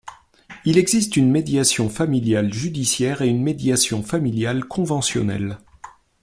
Il existe une médiation familiale judiciaire et une médiation familiale conventionnelle.